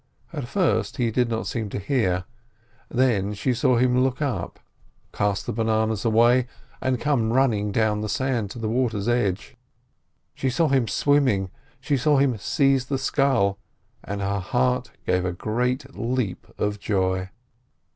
At first he did not seem to hear, then she saw him look up, cast the bananas away, and come running down the sand to the water's edge. She watched him swimming, she saw him seize the scull, and her heart gave a great leap of joy.